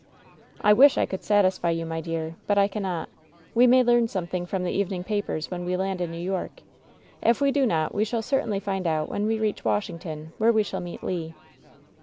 "I wish I could satisfy you, my dear, but I cannot. We may learn something from the evening papers when we land in New York, If we do not we shall certainly find out when we reach Washington, where we shall meet Le."